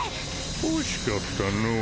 惜しかったのぉー